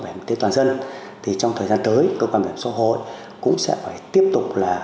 bảo hiểm y tế toàn dân thì trong thời gian tới cơ quan bảo hiểm xã hội cũng sẽ phải tiếp tục là